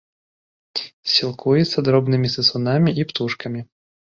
Сілкуецца дробнымі сысунамі і птушкамі.